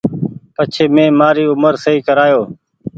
پڇي مين مآري اومر سئي ڪرايو